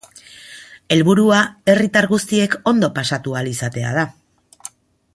Helburua herritar guztiek ondo pasatu ahal izatea da.